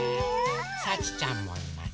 さちちゃんもいます。